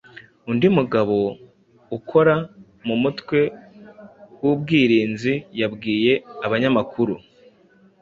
Undi mugabo ukora mu mutwe w'ubwirinzi yabwiye abanyamakuru